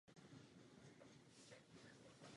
Film byl opět natočen v Jugoslávii poblíž Záhřebu.